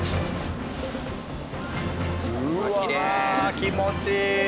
うわ気持ちいい！